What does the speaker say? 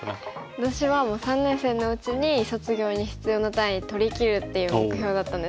私はもう３年生のうちに卒業に必要な単位取りきるっていう目標だったんですけど。